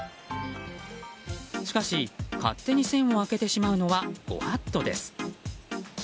しかし、勝手に栓を開けてしまうのはご法度です。